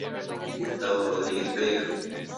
Gustavo Rodríguez Vega